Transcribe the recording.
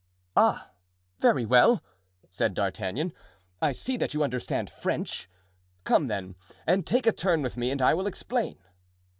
"Ah, very well!" said D'Artagnan; "I see that you understand French. Come then, and take a turn with me and I will explain."